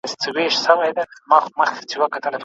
نه به شور د توتکیو نه به رنګ د انارګل وي